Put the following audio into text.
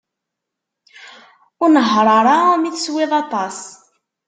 Ur nehher ara mi teswiḍ aṭas.